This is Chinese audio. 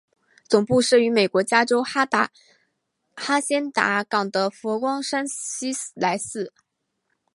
总部设于美国加州哈仙达岗的佛光山西来寺。